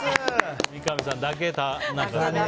三上さんだけ。